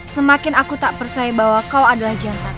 semakin aku tak percaya bahwa kau adalah jantan